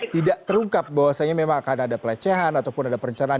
tidak terungkap bahwasannya memang akan ada pelecehan ataupun ada perencanaan